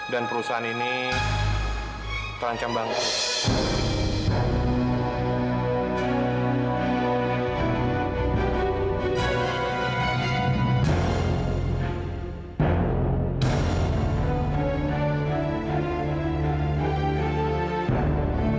dan perusahaan ini terancam banget